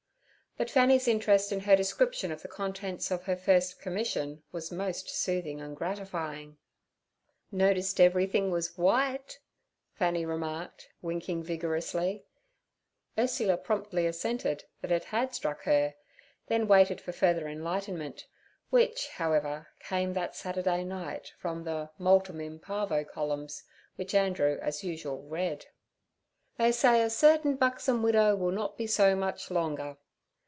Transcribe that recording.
But Fanny's interest in her description of the contents of her first commission was most soothing and gratifying. 'Notice everything was w'ite?' Fanny remarked, winking vigorously. Ursula promptly assented that it had struck her; then waited for further enlightenment, which, however, came that Saturday night from the 'Multum in parvo' columns, which Andrew, as usual, read. '"They say a certain buxom widow will not be so much longer."'